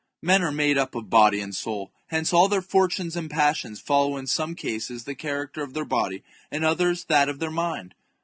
\ Men are made up of body and soul ; hence all their fortunes and passions follow in some cases the character of their body, in others that of their mind.